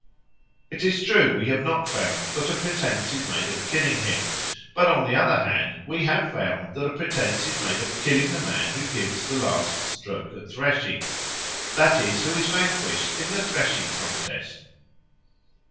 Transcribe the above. It is true we have not found that a pretence is made of killing him; but on the other hand we have found that a pretence is made of killing the man who gives the last stroke at threshing, that is, who is vanquished in the threshing contest.